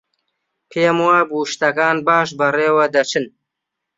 پێم وابوو شتەکان باش بەڕێوە دەچن.